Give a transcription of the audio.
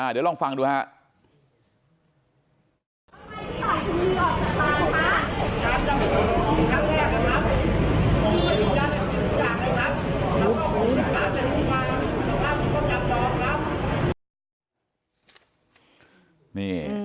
เดี๋ยวลองฟังดูครับ